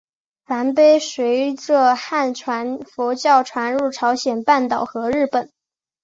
梵呗随着汉传佛教传入朝鲜半岛和日本。